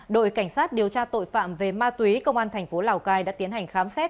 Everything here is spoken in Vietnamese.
đội cảnh sát điều tra tội phạm về ma túy công an thành phố lào cai đã tiến hành khám xét